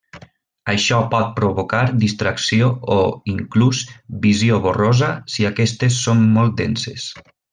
Això pot provocar distracció o, inclús, visió borrosa si aquestes són molt denses.